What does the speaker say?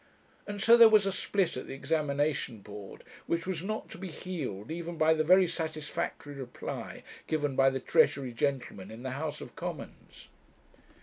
And so there was a split at the Examination Board, which was not to be healed even by the very satisfactory reply given by the Treasury gentleman in the House of Commons.